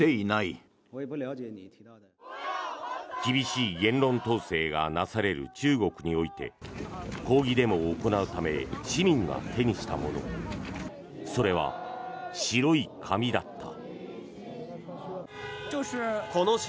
厳しい言論統制がなされる中国において抗議デモを行うため市民が手にしたものそれは白い紙だった。